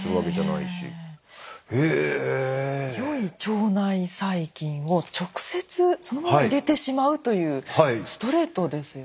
良い腸内細菌を直接そのまま入れてしまうというストレートですよね。